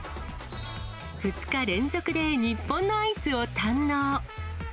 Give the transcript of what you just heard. ２日連続で日本のアイスを堪能。